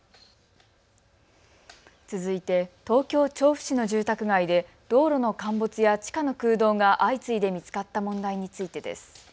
続いて東京調布市の住宅街で道路の陥没や地下の空洞が相次いで見つかった問題についてです。